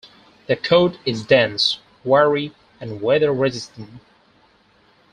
The coat is dense, wiry, and weather resistant.